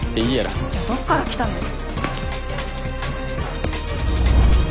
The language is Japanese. じゃあどっから来たのよ。